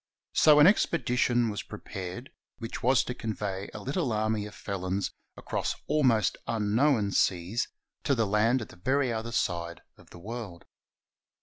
So an expedition was 477 ISLANDS OF THE PACIFIC prepared which was to convey a little army of felons across almost unknown seas, to the land at the very other side of the world.